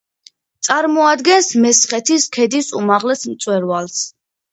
წარმოადგენს მესხეთის ქედის უმაღლეს მწვერვალს.